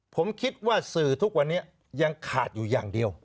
ผมคิดว่าสื่อทุกวันนี้ยังขาดอยู่อย่างเดียว